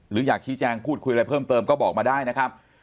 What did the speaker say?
หรืออยากชี้แจงพูดคุยอะไรเพิ่มเติมก็บอกมาได้นะครับ